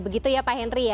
begitu ya pak henry ya